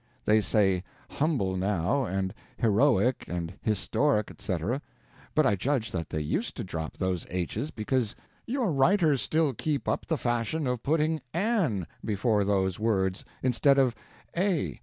They say humble, now, and heroic, and historic etc., but I judge that they used to drop those h's because your writers still keep up the fashion of putting an AN before those words instead of A.